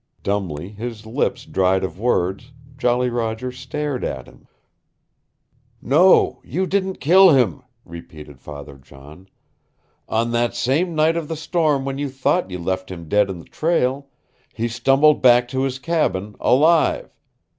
Dumbly, his lips dried of words, Jolly Roger stared at him. "No, you didn't kill him," repeated Father John. "On that same night of the storm when you thought you left him dead in the trail, he stumbled back to his cabin, alive.